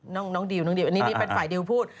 น้องดิวนี่เป็นฝ่ายดิวพูด